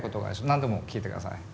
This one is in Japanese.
何でも聞いてください。